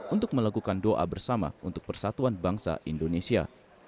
untuk melakukan doa bersama untuk persatuan bangsa indonesia